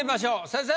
先生。